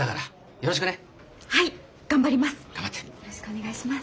よろしくお願いします。